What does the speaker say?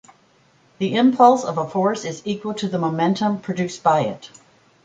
The impulse of a force is equal to the momentum produced by it.